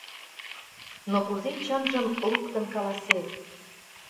Но кузе чынжым луктын каласет?